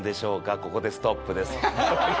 ここでストップです。